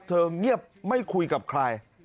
เงียบไม่คุยกับใคร